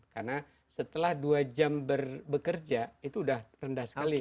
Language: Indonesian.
karena setelah dua jam bekerja itu udah rendah sekali